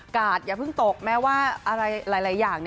อย่าเพิ่งตกแม้ว่าอะไรหลายอย่าง